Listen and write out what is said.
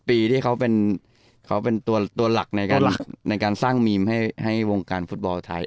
ปีที่เขาเป็นตัวหลักในการสร้างมีมให้วงการฟุตบอลไทย